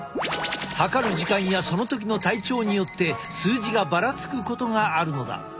測る時間やその時の体調によって数字がばらつくことがあるのだ。